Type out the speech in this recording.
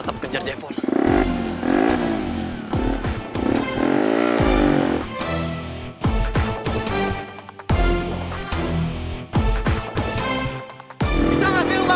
gak ada rasa gak ada cinta